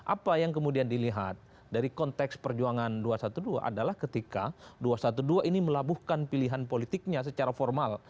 apa yang kemudian dilihat dari konteks perjuangan dua ratus dua belas adalah ketika dua ratus dua belas ini melabuhkan pilihan politiknya secara formal